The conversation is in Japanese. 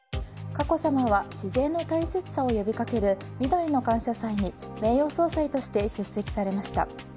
佳子さまは自然の大切さを呼びかけるみどりの感謝祭に名誉総裁として出席されました。